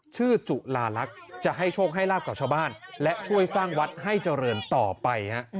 จุลาลักษณ์จะให้โชคให้ลาบกับชาวบ้านและช่วยสร้างวัดให้เจริญต่อไป